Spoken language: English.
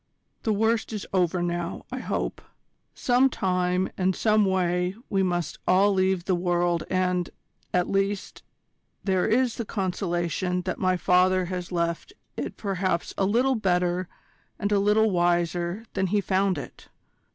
"The worst is over now, I hope. Some time and some way we must all leave the world and, at least, there is the consolation that my father has left it perhaps a little better and a little wiser than he found it.